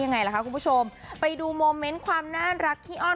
ยังไงล่ะคะคุณผู้ชมไปดูโมเมนต์ความน่ารักขี้อ้อน